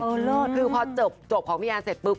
โอ้โลกคือพอจบจบของพี่แอนเสร็จปุ๊บ